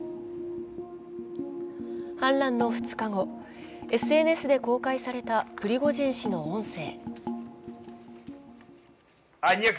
反乱の２日後、ＳＮＳで公開されたプリゴジン氏の音声。